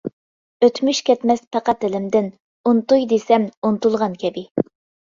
ئۆتمۈش كەتمەس پەقەت دىلىمدىن، ئۇنتۇي دېسەم ئۇنتۇلغان كەبى.